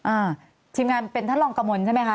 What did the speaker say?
อ่าทีมงานเป็นท่านรองกระมวลใช่ไหมคะ